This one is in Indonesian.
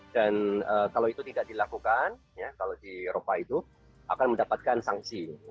dan kalau itu tidak dilakukan kalau di eropa itu akan mendapatkan sanksi